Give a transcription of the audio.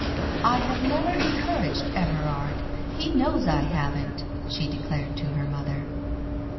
"I have never encouraged Everard. He knows I haven't," she declared to her mother.